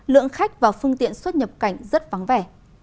lượng khách và phương tiện xuất nhập cảnh rất vắng vẻ